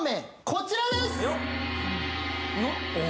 こちらです